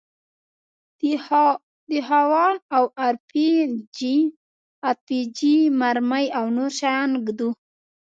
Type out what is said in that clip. د هاوان او ار پي جي مرمۍ او نور شيان ږدو.